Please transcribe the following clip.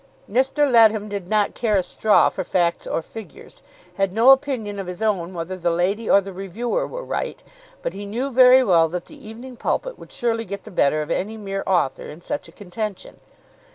Mr. Leadham did not care a straw for facts or figures, had no opinion of his own whether the lady or the reviewer were right; but he knew very well that the "Evening Pulpit" would surely get the better of any mere author in such a contention.